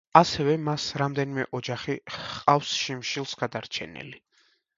ასევე, მას რამდენიმე ოჯახი ჰყავს შიმშილს გადარჩენილი.